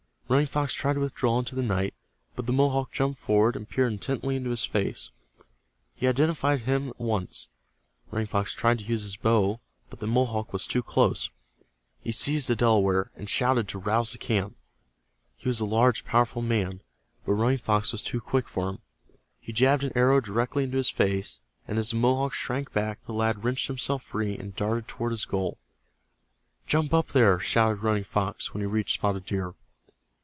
Running Fox tried to withdraw into the night, but the Mohawk jumped forward and peered intently into his face. He identified him at once. Running Fox tried to use his bow, but the Mohawk was too close. He seized the Delaware, and shouted to rouse the camp. He was a large, powerful man, but Running Fox was too quick for him. He jabbed an arrow directly into his face, and as the Mohawk shrank back the lad wrenched himself free and darted toward his goal. "Jump up there!" shouted Running Fox, when he reached Spotted Deer.